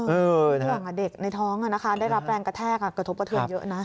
เออด้วยอย่างเด็กในท้องอะนะคะได้รับแรงกระแทกกระทบกับเธอเยอะนะ